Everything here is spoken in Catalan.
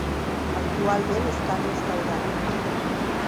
Actualment està restaurat.